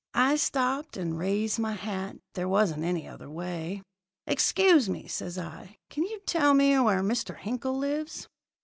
I stopped and raised my hat there wasn't any other way. "'Excuse me,' says I, 'can you tell me where Mr. Hinkle lives?'